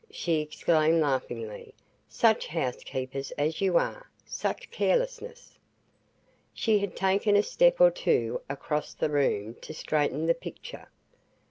she exclaimed laughingly. "Such housekeepers as you are such carelessness!" She had taken a step or two across the room to straighten the picture.